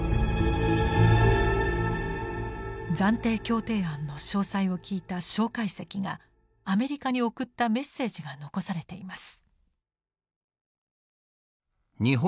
暫定協定案の詳細を聞いた介石がアメリカに送ったメッセージが残されています。